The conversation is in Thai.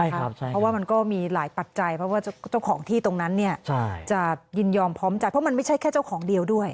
เพราะว่ามันก็มีหลายปัจจัยเพราะว่าเจ้าของที่ตรงนั้นจะยินยอมพร้อมใจเพราะมันไม่ใช่แค่เจ้าของเดียวด้วย